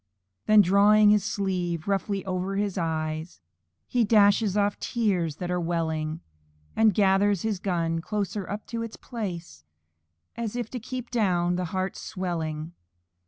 Then drawing his sleeve roughly over his eyes, He dashes off tears that are welling; And gathers his gun closer up to his breast, As if to keep down the heart's swelling.